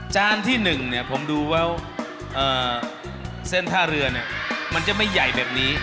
ที่๑ผมดูว่าเส้นท่าเรือมันจะไม่ใหญ่แบบนี้